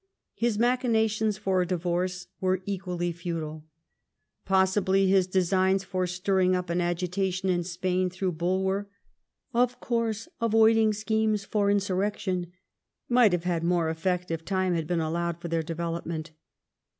His machinations for a divorce were equally futile. Possibly his designs for stirring up an agitation in Spain through Bulwer, of course avoiding schemes for insurrection," might have had more effect if time had been allowed for their development.